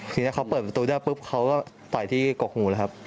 ทีนี้เขาเปิดประตูได้ปุ๊บเขาก็ต่อยที่กกหูเลยครับ